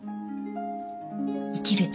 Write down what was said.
生きる力。